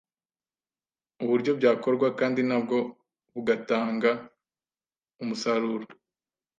uburyo byakorwa kandi nabwo bugatanga umusaruro.